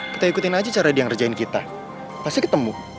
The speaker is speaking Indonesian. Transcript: kita ikutin aja cara dia ngerjain kita pasti ketemu